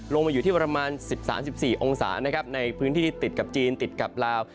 ลงมาอยู่ที่ประมาณสิบสามสิบสี่องศานะครับในพื้นที่ติดกับจีนติดกับลาว